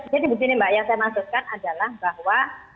jadi begini mbak yang saya maksudkan adalah bahwa